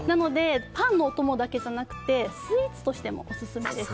パンのおともだけじゃなくてスイーツとしてもおすすめです。